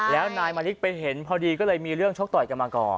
แล้วนายมะลิไปเห็นพอดีก็เลยมีเรื่องชกต่อยกันมาก่อน